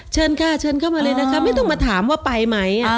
เชิญค่ะเชิญเข้ามาเลยนะคะไม่ต้องมาถามว่าไปไหม